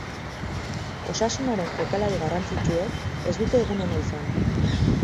Osasunaren jokalari garrantzitsuek ez dute egun ona izan.